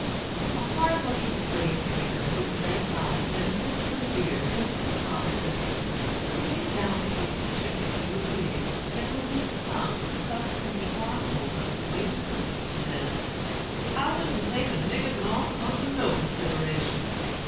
A hard looking slave trader, with red eyes, and bristly beard, was sitting opposite. He laid down a piece of chicken he was eating, and with his thumbs stuck in the arm holes of his waistcoat, said: "I wouldn't take a nigger North under no consideration.